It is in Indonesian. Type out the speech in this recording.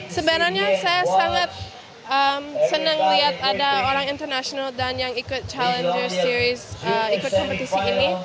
sebenarnya saya sangat senang melihat ada orang internasional dan yang ikut challenger series ikut kompetisi ini